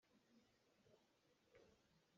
Biaknak phun pakhat khat ah na um maw?